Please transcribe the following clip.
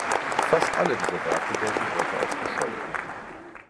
Fast alle dieser Werke gelten heute als verschollen.